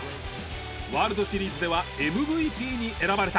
ワールドシリーズではＭＶＰに選ばれた。